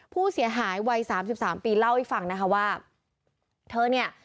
ผู้เสียหายวัยสามสิบสามปีเล่าให้ฟังนะคะว่าเธอเนี่ย